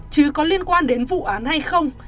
trứ có liên quan đến vụ án hay không